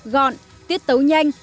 gọn tiết tấu nhanh